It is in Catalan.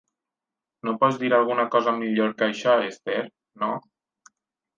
No pot dir alguna cosa millor que això, Esther, no?